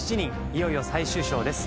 いよいよ最終章です。